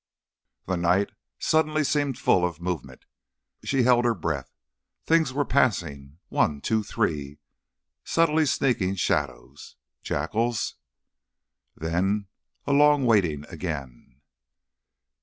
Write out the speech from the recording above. The night suddenly seemed full of movement. She held her breath. Things were passing one, two, three subtly sneaking shadows.... Jackals. Then a long waiting again.